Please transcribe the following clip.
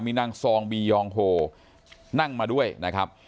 มีนางซองบียองโฮนั่งมาด้วยนะครับ